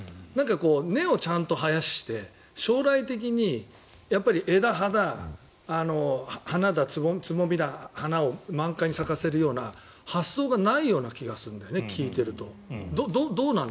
根をちゃんと生やして将来的に枝葉だ、花だつぼみだ、花を満開に咲かせるような発想がないような気がするんだよね聞いてると。